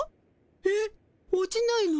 えっ落ちないの？